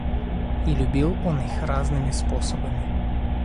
И любил он их разными способами.